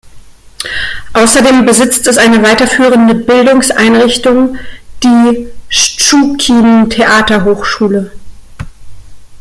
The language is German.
Außerdem besitzt es eine weiterführende Bildungseinrichtung, die "Schtschukin-Theaterhochschule".